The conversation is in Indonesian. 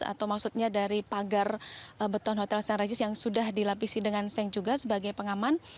atau maksudnya dari pagar beton hotel st regis yang sudah dilapisi dengan seng juga sebagai pengaman